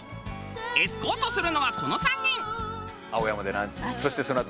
エスコートするのはこの３人。